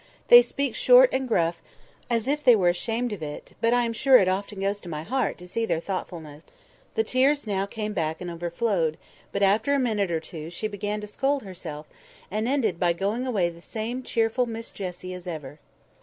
They speak short and gruff, as if they were ashamed of it: but I am sure it often goes to my heart to see their thoughtfulness." The tears now came back and overflowed; but after a minute or two she began to scold herself, and ended by going away the same cheerful Miss Jessie as ever.